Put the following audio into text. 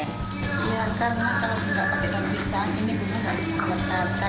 iya karena kalau tidak pakai daun pisang ini bukan bisa dibakar